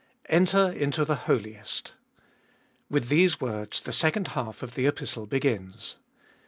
Enter into the Holiest. With these words the second half of the Epistle begins.